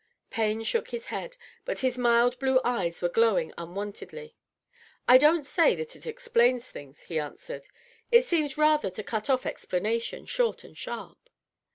Payne shook his head, but his mild blue eyes were glowing un wontedly. "I don't say that it explains anything," he answered. " It seems rather to cut off explanation, short and sharp."